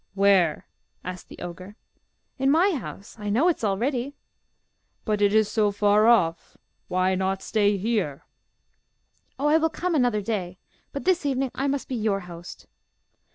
'Where?' asked the ogre. 'In my house. I know it is all ready.' 'But it is so far off why not stay here?' 'Oh, I will come another day; but this evening I must be your host.